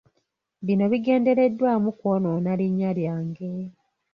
Bino bigendereddwamu kwonoona linnya lyange.